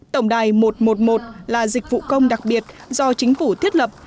tổng đài một trăm một mươi một là dịch vụ công đặc biệt do chính phủ thiết lập